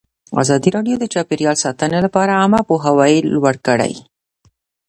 ازادي راډیو د چاپیریال ساتنه لپاره عامه پوهاوي لوړ کړی.